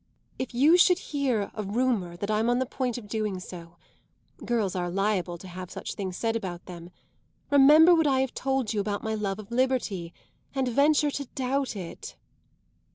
If you should hear a rumour that I'm on the point of doing so girls are liable to have such things said about them remember what I have told you about my love of liberty and venture to doubt it."